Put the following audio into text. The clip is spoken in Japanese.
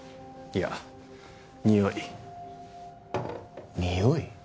いやにおいにおい？